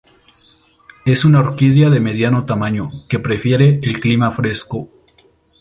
Es una orquídea de mediano tamaño, que prefiere el clima fresco.